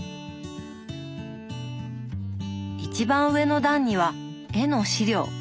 一番上の段には絵の資料。